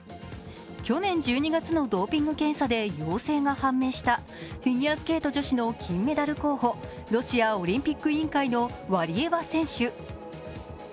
去年１２月のドーピング検査で陽性が判明したフィギュアスケート女子の金メダル候補ロシアオリンピック委員会のワリエワ選手。